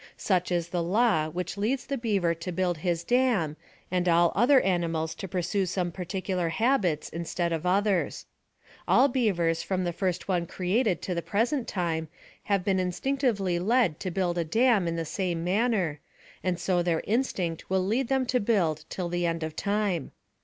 Such is the law which leads the beaver to build his dam, and all other animals to pursue some particu lar habits instead of others. All beavers from the first one created to the present time, have been in stinctively led to build a dam in the same manner, and so their instinct will lead them to build till the end of time.